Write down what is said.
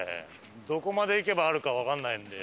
どこまで行けばあるかわかんないんで。